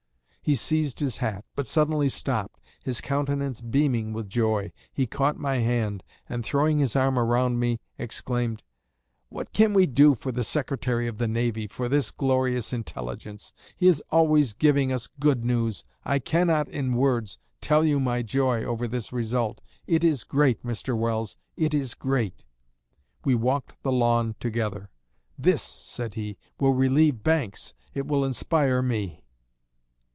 He seized his hat, but suddenly stopped, his countenance beaming with joy; he caught my hand, and throwing his arm around me, exclaimed, 'What can we do for the Secretary of the Navy for this glorious intelligence? He is always giving us good news. I cannot, in words, tell you my joy over this result. It is great, Mr. Welles, it is great!' ... We walked the lawn together. 'This,' said he, 'will relieve Banks. It will inspire me.'"